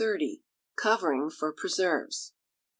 Covering for Preserves.